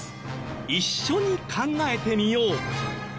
一緒に考えてみよう。